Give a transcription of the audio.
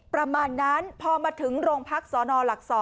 ประมาณนั้นพอมาถึงโรงพักสนหลัก๒